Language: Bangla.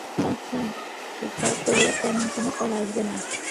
জানতাম এটা করলে তেমন কোন ফল আসবে না।